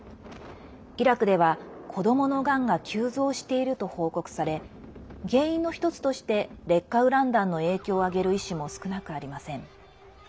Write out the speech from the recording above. イラクでは、子どものがんが急増していると報告され原因の１つとして劣化ウラン弾の影響をあげる医師も少なくありません。